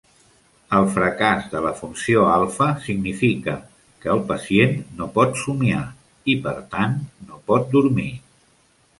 El fracàs de la funció alfa significa que el pacient no pot somiar i, per tant, no pot dormir.